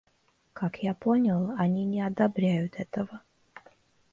Как я понял, они не одобряют этого.